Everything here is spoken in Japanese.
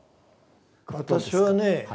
私はね